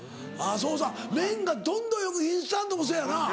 そうそう麺がどんどん良くインスタントもそうやな。